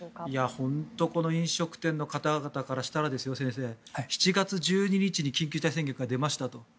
本当に飲食店の方々からしたら７月１２日に緊急事態宣言が出ましたと。